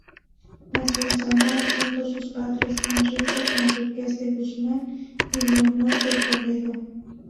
Nació en Zamora, siendo sus padres Enrique Enríquez de Guzmán y Leonor de Toledo.